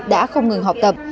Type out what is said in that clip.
đã không ngừng học tập